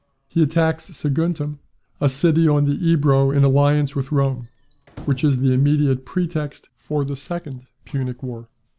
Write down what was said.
He attacks Saguntum, a city on the Ebro in alliance with Rome, which is the immediate pretext for the second Punic war.